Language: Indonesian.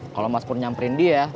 kalo mas pur nyamperin dia